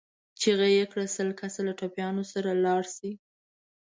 چيغه يې کړه! سل کسه له ټپيانو سره لاړ شئ.